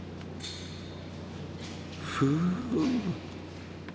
ふう。